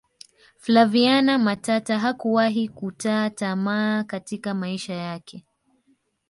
flaviana matata hakuwahi kutaa tamaa katika maisha yake